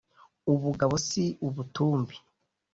Ubugabo si ubutumbi